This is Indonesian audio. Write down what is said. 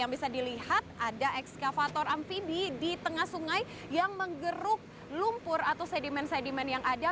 yang bisa dilihat ada ekskavator amfibi di tengah sungai yang menggeruk lumpur atau sedimen sedimen yang ada